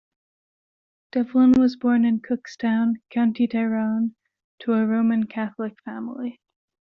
Devlin was born in Cookstown, County Tyrone, to a Roman Catholic family.